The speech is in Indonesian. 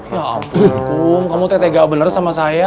ya ampun kum kamu teteh nggak bener sama saya